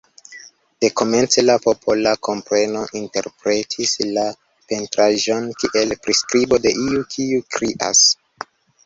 Dekomence la popola kompreno interpretis la pentraĵon kiel priskribo de iu kiu krias.